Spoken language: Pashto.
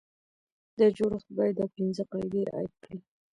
دا جوړښت باید دا پنځه قاعدې رعایت کړي.